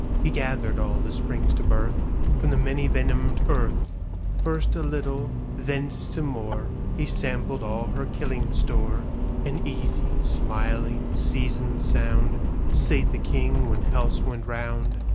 He gathered all that springs to birthFrom the many venomed earth; First a little, thence to more, He sampled all her killing store; And easy, smiling, seasoned sound, Sate the king when healths went round.